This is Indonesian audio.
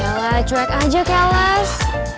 yalah cuek aja kelas